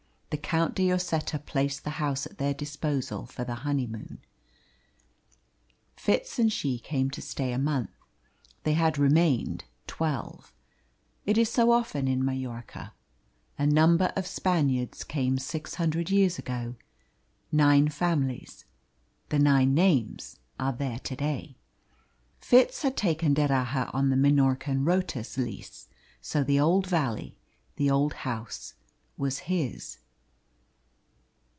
The Count de Lloseta placed the house at their disposal for the honeymoon. Fitz and she came to stay a month; they had remained twelve. It is often so in Majorca. A number of Spaniards came six hundred years ago nine families; the nine names are there to day. Fitz had taken D'Erraha on the Minorcan rotas lease, so the old valley, the old house, was his.